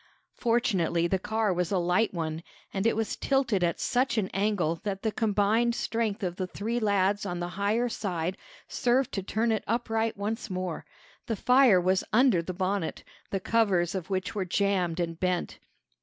Fortunately, the car was a light one, and it was tilted at such an angle that the combined strength of the three lads on the higher side served to turn it upright once more. The fire was under the bonnet, the covers of which were jammed and bent.